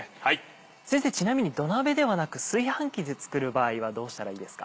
先生ちなみに土鍋ではなく炊飯器で作る場合はどうしたらいいですか？